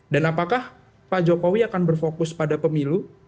dan apakah pak jokowi akan berfokus pada pemilu